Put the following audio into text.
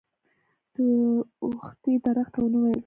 د اوبښتې درخته ونه ويل کيږي.